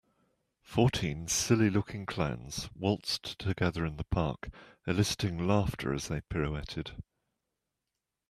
Fourteen silly looking clowns waltzed together in the park eliciting laughter as they pirouetted.